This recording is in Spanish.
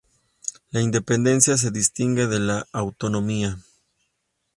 La independencia se distingue de la autonomía.